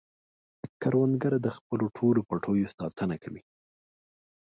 کروندګر د خپلو ټولو پټیو ساتنه کوي